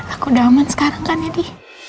aku udah aman sekarang kan ya di